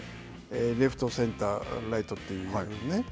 レフト、センター、ライトというね。